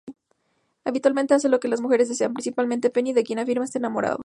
Habitualmente hace lo que las mujeres desean, principalmente Penny, de quien afirma estar enamorado.